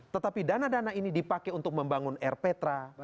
tetapi dana dana ini dipakai untuk membangun air petra